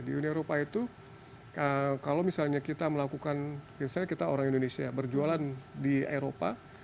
di uni eropa itu kalau misalnya kita melakukan misalnya kita orang indonesia berjualan di eropa